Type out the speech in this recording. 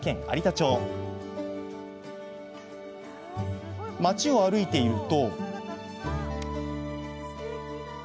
町を歩いていると。